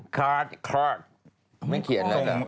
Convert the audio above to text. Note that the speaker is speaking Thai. การ์ดไม่เขียนเลยเหรอ